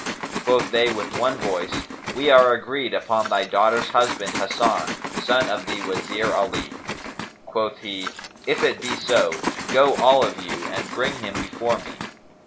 Quoth they with one voice, "We are agreed upon thy daughter's husband Hasan, son of the Wazir Ali." Quoth he, "If it be so, go all of you and bring him before me."